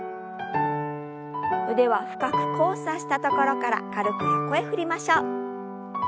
腕は深く交差したところから軽く横へ振りましょう。